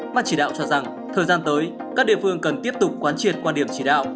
mà chỉ đạo cho rằng thời gian tới các địa phương cần tiếp tục quán triệt quan điểm chỉ đạo